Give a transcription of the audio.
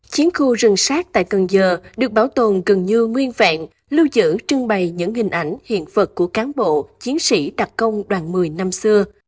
chiến khu rừng sát tại cần giờ được bảo tồn gần như nguyên vẹn lưu giữ trưng bày những hình ảnh hiện vật của cán bộ chiến sĩ đặc công đoàn một mươi năm xưa